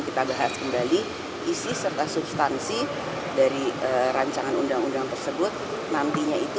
kita bahas kembali isi serta substansi dari rancangan undang undang tersebut nantinya itu